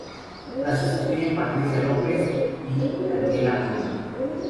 La sustituyen Patricia López y Daniela Blume.